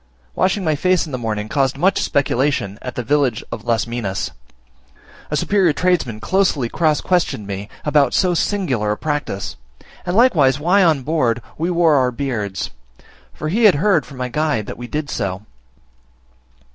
Washing my face in the morning caused much speculation at the village of Las Minas; a superior tradesman closely cross questioned me about so singular a practice; and likewise why on board we wore our beards; for he had heard from my guide that we did so.